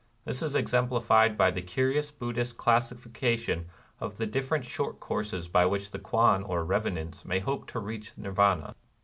This is exemplified by the curious Buddhist classi fication of the different short courses by which the Kwan or revenants may hope to reach Nirvana.